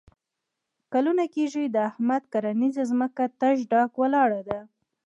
کلونه کېږي چې د احمد کرنیزه ځمکه تش ډاګ ولاړه ده.